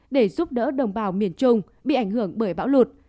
để giúp đỡ đồng bào miền trung bị ảnh hưởng bởi bão lụt